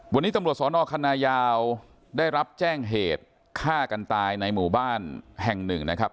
วันนี้ตำรวจสอนอคณะยาวได้รับแจ้งเหตุฆ่ากันตายในหมู่บ้านแห่งหนึ่งนะครับ